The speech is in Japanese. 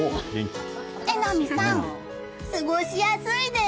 榎並さん、過ごしやすいです！